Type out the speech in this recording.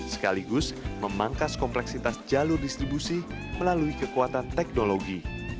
sekaligus memangkas kompleksitas jalur distribusi melalui kekuatan teknologi